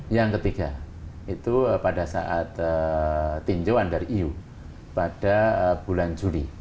yang ketiga itu pada saat tinjauan dari iu pada bulan juli